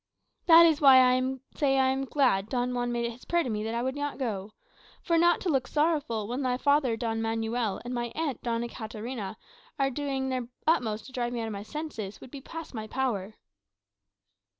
"That is why I say I am glad Don Juan made it his prayer to me that I would not go. For not to look sorrowful, when thy father, Don Manuel, and my aunt, Doña Katarina, are both doing their utmost to drive me out of my senses, would be past my power."